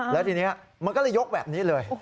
แล้วทีนี้มันก็เลยยกแบบนี้เลย